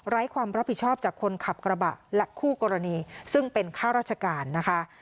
ความรับผิดชอบจากคนขับกระบะและคู่กรณีซึ่งเป็นข้าราชการนะคะ